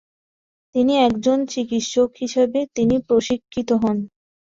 তিনি একজন চিকিৎসক হিসেবে তিনি প্রশিক্ষিত হন।